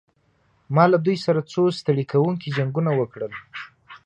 ما له دوی سره څو ستړي کوونکي جنګونه وکړل.